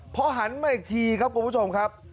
พอหันมาอีกทีครับคุณผู้ชมครับ